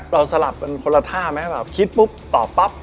สลับกันคนละท่าไหมแบบคิดปุ๊บตอบปั๊บ